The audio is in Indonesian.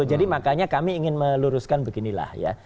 jadi makanya kami ingin meluruskan beginilah ya